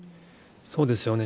そうですよね。